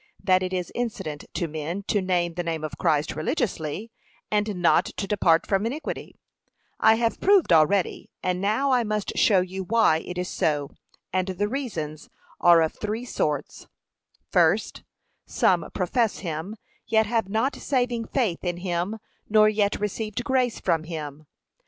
That it is incident to men to name the name of Christ religiously, and not to depart from iniquity, I have proved already, and now I must show you why it is so, and the reasons are of three sorts: First, Some profess him, yet have not saving faith in him, nor yet received grace from him.